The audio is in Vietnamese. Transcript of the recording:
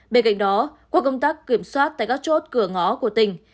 bên cạnh đó qua công tác kiểm soát tại các chốt cửa ngó của tỉnh